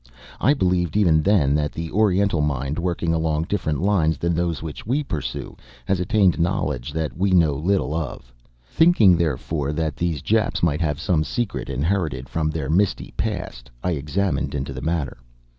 I believed, even then, that the Oriental mind, working along different lines than those which we pursue, has attained knowledge that we know little of. Thinking, therefore, that these Japs might have some secret inherited from their misty past, I examined into the matter.